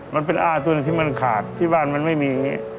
มันเป็นอ้าตัวหนึ่งที่มันขาดที่บ้านมันไม่มีอย่างนี้